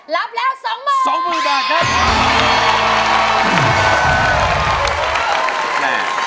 รับแล้ว๒มือ